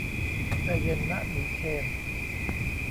ใจเย็นนะหมีเคน